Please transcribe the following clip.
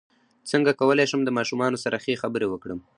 څنګه کولی شم د ماشومانو سره ښه خبرې وکړم